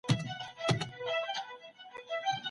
که کورنۍ د نجونو تعلیم مخه ونیسي، تاوتریخوالی زیاتېږي.